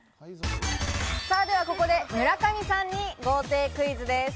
ではここで村上さんに豪邸クイズです。